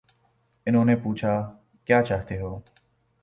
انہوں نے پوچھا: کیا چاہتے ہو؟